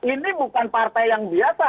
ini bukan partai yang biasa